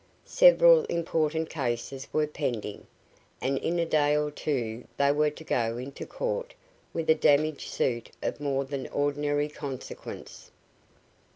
Several important cases were pending, and in a day or two they were to go into court with a damage suit of more than ordinary consequence.